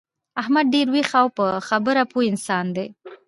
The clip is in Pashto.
احمد ډېر ویښ او په خبره پوه انسان دی.